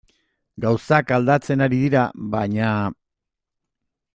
Gauzak aldatzen ari dira, baina...